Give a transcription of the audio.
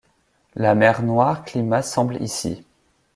La mer Noire climat semble ici.